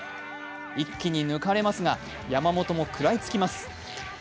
一気に抜かれますが山本も食らいつきます。